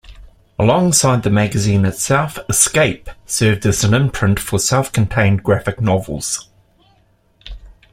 Alongside the magazine itself, "Escape" served as an imprint for self-contained graphic novels.